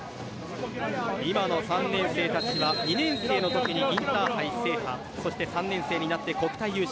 今の３年生たちは２年生のときにインターハイ制覇そして３年生になって国体優勝。